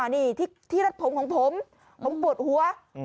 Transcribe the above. นี่ที่รัดผมของผมผมปวดหัว